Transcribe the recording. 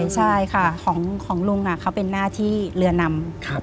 ใช่ค่ะของลุงเขาเป็นหน้าที่เรือนำ